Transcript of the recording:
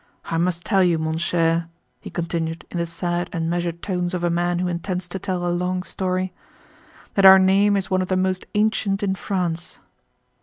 I must tell you, mon cher," he continued in the sad and measured tones of a man who intends to tell a long story, "that our name is one of the most ancient in France."